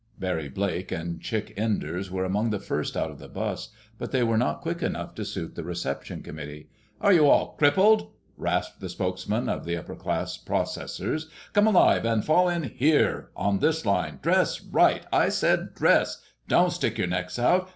Barry Blake and Chick Enders were among the first out of the bus, but they were not quick enough to suit the reception committee. "Are you all crippled?" rasped the spokesman of the upperclass "processors." "Come alive and fall in—here, on this line. Dress right! I said dress—don't stick your necks out.